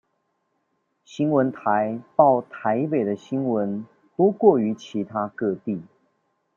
新聞台報台北的新聞多過於其他各地